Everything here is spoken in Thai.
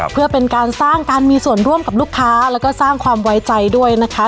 เพื่อเป็นการสร้างการมีส่วนร่วมกับลูกค้าแล้วก็สร้างความไว้ใจด้วยนะคะ